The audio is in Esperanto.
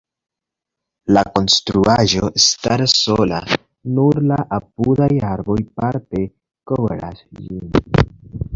La konstruaĵo staras sola, nur la apudaj arboj parte kovras ĝin.